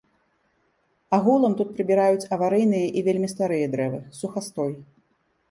Агулам тут прыбіраюць аварыйныя і вельмі старыя дрэвы, сухастой.